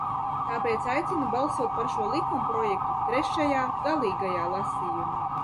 Tāpēc aicinu balsot par šo likumprojektu trešajā, galīgajā, lasījumā.